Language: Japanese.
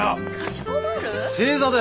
正座だよ！